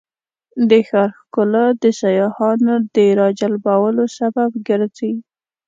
د ښار ښکلا د سیاحانو د راجلبولو سبب ګرځي.